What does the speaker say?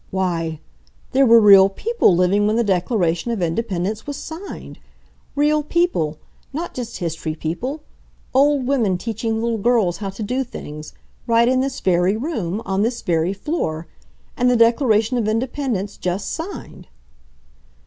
"Why! There were real people living when the Declaration of Independence was signed—real people, not just history people—old women teaching little girls how to do things—right in this very room, on this very floor—and the Declaration of Independence just signed!"